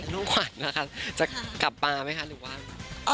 น้องขวัญนะคะจะกลับมาไหมคะ